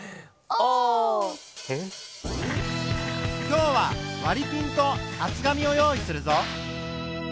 今日はわりピンと厚紙を用意するぞ。